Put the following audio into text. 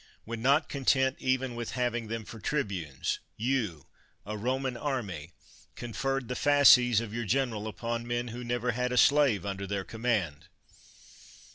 When, not con tent even with having them for tribunes, you, a Boman army, conferred the fasces of your general upon men who never had a slave under tiieir command?